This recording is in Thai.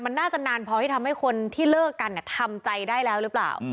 มันน่าจะนานพอที่ทำให้คนที่เลิกกันทำใจได้แล้วหรือเปล่า